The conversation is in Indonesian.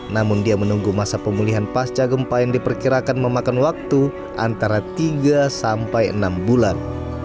namun dia menunggu masa pemulihan pasca gempa yang diperkirakan memakan waktu antara tiga sampai enam bulan